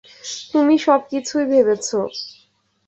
তুমি সবকিছুই ভেবেছো!